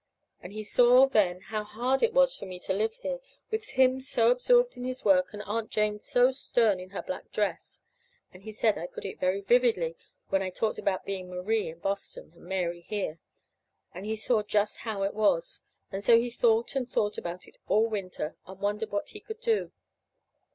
and he saw then how hard it was for me to live here, with him so absorbed in his work and Aunt Jane so stern in her black dress. And he said I put it very vividly when I talked about being Marie in Boston, and Mary here, and he saw just how it was. And so he thought and thought about it all winter, and wondered what he could do.